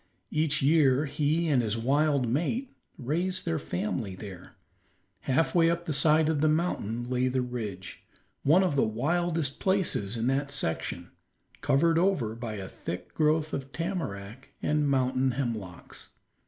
Each year he and his wild mate raised their family there. Half way up the side of the mountain lay the ridge, one of the wildest places in that section, covered over by a thick growth of tamarack and mountain hemlocks.